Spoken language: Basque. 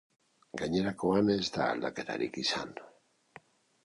Gainerakoan ez da aldaketarik izan.